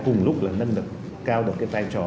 cùng lúc là nâng lực cao được cái vai trò